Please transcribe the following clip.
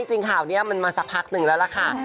จริงข่าวนี้มันมาสักพักหนึ่งแล้วล่ะค่ะ